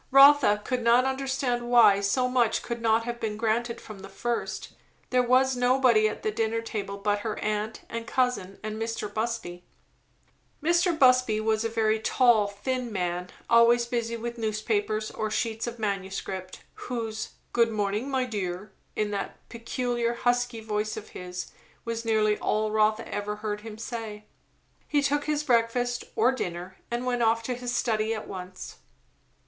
Rotha could not understand why so much could not have been granted from the first; there was nobody at the dinner table but her aunt and cousin and Mr. Busby. Mr. Busby was a very tall, thin man, always busy with newspapers or sheets of manuscript; whose "Good morning, my dear!" in that peculiar husky voice of his, was nearly all Rotha ever heard him say. He took his breakfast, or his dinner, and went off to his study at once.